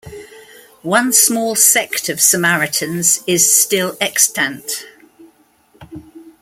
One small sect of Samaritans is still extant.